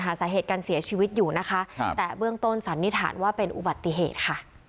สาเหตุการเสียชีวิตอยู่นะคะแต่เบื้องต้นสันนิษฐานว่าเป็นอุบัติเหตุค่ะ